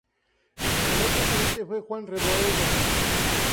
El primer presidente fue Juan Revoredo.